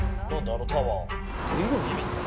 あのタワー。